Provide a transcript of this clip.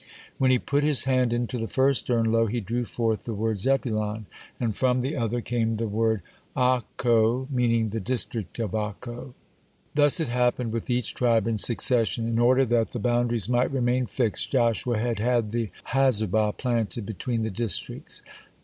When he put his hand into the first urn, lo, he drew forth the word Zebulon, and from the other came the word Accho, meaning the district of Accho. Thus it happened with each tribe in succession. (47) In order that the boundaries might remain fixed, Joshua had had the Hazubah (48) planted between the districts.